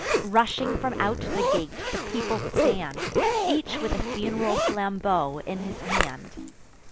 Rushing from out the gate, the people stand, Each with a fun'ral flambeau in his hand.